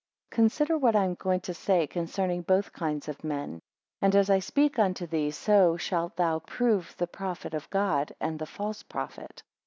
Consider what I am going to say concerning both kinds of men; and as I speak unto thee so shalt thou prove the prophet of God, and the false prophet.